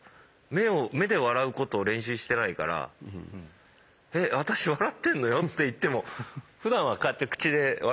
目を目で笑うことを練習してないから「え？私笑ってんのよ」って言ってもふだんはこうやって口で笑ってたから。